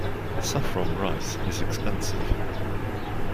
Saffron rice is expensive.